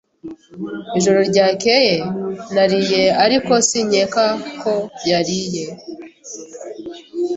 Ijoro ryakeye nariye, ariko sinkeka ko yariye.